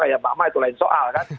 kayak mak mak itu lain soal kan